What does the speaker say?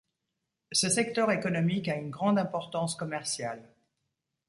Ce secteur économique a une grande importance commerciale.